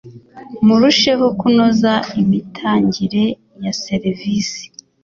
murusheho kunoza imitangire ya serivisi .